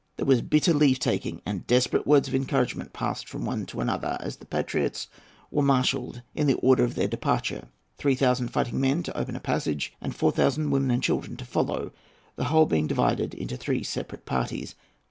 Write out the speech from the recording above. There was bitter leave taking, and desperate words of encouragement passed from one to another, as the patriots were marshalled in the order of their departure;—three thousand fighting men to open a passage and four thousand women and children to follow;—the whole being divided into three separate parties.